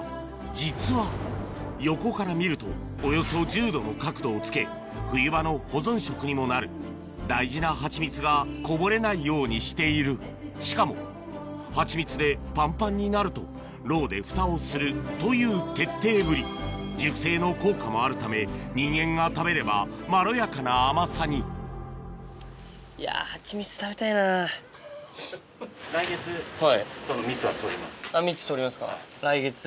実は横から見るとおよそ１０度の角度をつけ冬場の保存食にもなる大事なハチミツがこぼれないようにしているしかもハチミツでパンパンになるとロウで蓋をするという徹底ぶり熟成の効果もあるため人間が食べればまろやかな甘さに蜜採りますか来月。